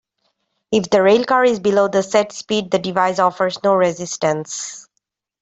If the rail car is below the set speed, the device offers no resistance.